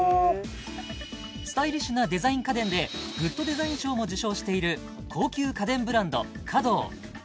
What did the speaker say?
スタイリッシュなデザイン家電でグッドデザイン賞も受賞している高級家電ブランドｃａｄｏ